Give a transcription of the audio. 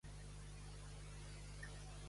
Com estan adornats a Haití?